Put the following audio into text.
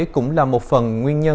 cũng là một phần nguyên nhân